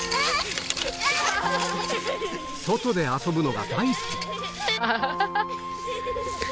外で遊ぶのが大好きアハハハ！